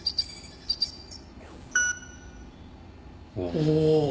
おお。